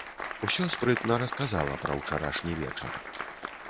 Усё спрытна расказала пра ўчарашні вечар.